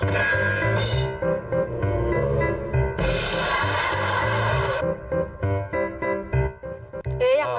ต้องต้องต้อง